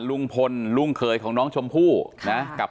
ลุงพลลุงเขยของน้องชมพู่นะกับ